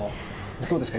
どうですか？